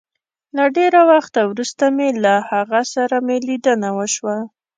له ډېره وخته وروسته مي له هغه سره مي ليدنه وشوه